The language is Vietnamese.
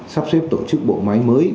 sắp xếp tổ chức bộ máy mới